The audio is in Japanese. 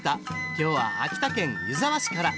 今日は秋田県湯沢市から。